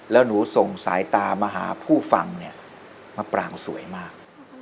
แล้วหนูส่งสายตามาหาผู้ฟังเนี่ยมะปรางสวยมาก